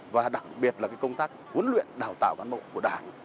và đặc biệt là công tác huấn luyện đào tạo cán bộ của đảng